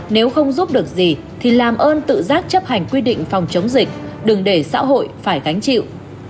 nếu không giúp được gì thì làm ơn tự giác chấp hành quy định phòng chống dịch đừng để xã hội phải gánh chịu